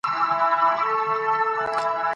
ساده عبارت هغه دئ، چي د دوو خپلواکو کلیمو څخه جوړ يي.